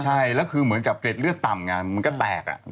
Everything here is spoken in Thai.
ใช่แล้วคือเหมือนกับเกร็ดเลือดต่ำไงมันก็แตก